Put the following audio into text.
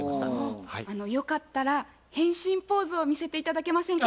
よかったら変身ポーズを見せて頂けませんか？